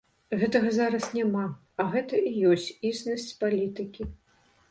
Гэтага зараз няма, а гэта і ёсць існасць палітыкі.